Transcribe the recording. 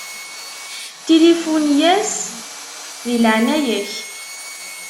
Tilifuni-yas di leɛnaya-k.